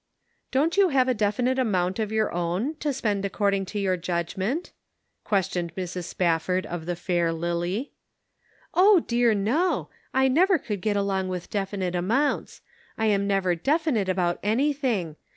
" Don't you have a definite amount of your own, to spend according to your judgment ?" questioned Mrs. Spafford of the fair Lily. " Oh dear, no ? I never could get along with definite amounts. I am never definite about anything.